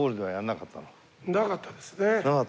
なかったですか。